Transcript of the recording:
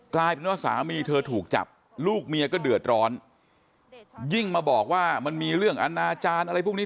กลายเป็นว่าสามีเธอถูกจับลูกเมียก็เดือดร้อนยิ่งมาบอกว่ามันมีเรื่องอนาจารย์อะไรพวกนี้